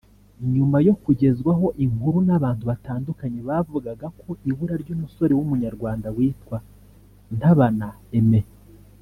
nyuma yo kugezwaho inkuru n’abantu batandukanye bavugaga ku ibura ry’umusore w’umunyarwanda witwa Ntabana Aime